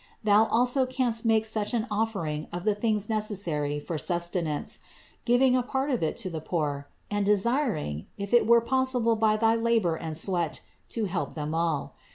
Thou also canst make such an offering of the things necessary for suste nance, giving a part of it to the poor and desiring, if it were possible by thy labor and sweat, to help all of them.